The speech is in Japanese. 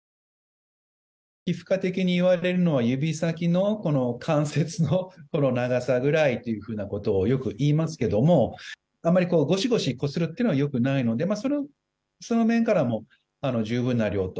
皮膚科的にいわれるのは指先の関節の長さぐらいということをよくいいますけどもあまりごしごしこするというのはあまり良くないのでその面からも、十分な量と。